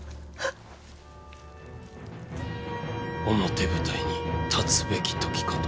表舞台に立つべき時かと。